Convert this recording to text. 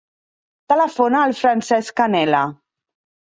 Telefona al Francesc Canela.